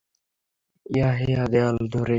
ইউহাওয়া দেয়াল ধরে ধরে সামনে এগিয়ে চলে।